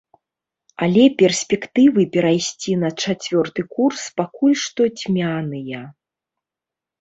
Але перспектывы перайсці на чацвёрты курс пакуль што цьмяныя.